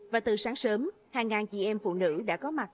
và từ sáng sớm hàng ngàn chị em phụ nữ đã có mặt